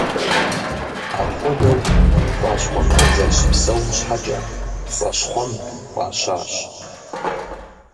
Апхуэдэу пцӏащхъуэ куэд зэрыщыпсэум щхьэкӏэ «Пцӏащхъуэмб» фӏащащ.